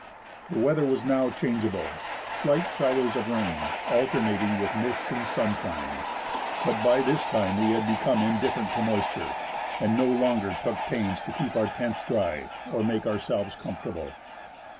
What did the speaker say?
The weather was now changeable, slight showers of rain alternating with mists and sunshine. But by this time we had become indifferent to moisture, and no longer took pains to keep our tents dry or make ourselv'es comfortable.